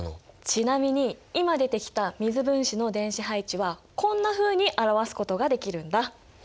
ちなみに今出てきた水分子の電子配置はこんなふうに表すことができるんだ。